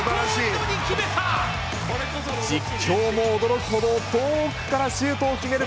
実況も驚くほど遠くからシュートを決める